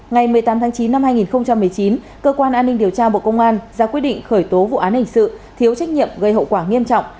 ngày một mươi tám tháng chín năm hai nghìn một mươi chín cơ quan an ninh điều tra bộ công an ra quyết định khởi tố vụ án hình sự thiếu trách nhiệm gây hậu quả nghiêm trọng